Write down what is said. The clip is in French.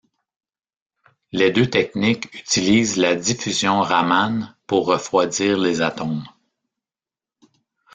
Les deux techniques utilisent la diffusion Raman pour refroidir les atomes.